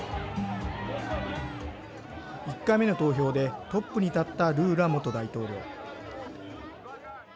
１回目の投票でトップに立ったルーラ元大統領。